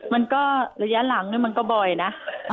มันก็ระยะหลังมันก็บ่อยนะ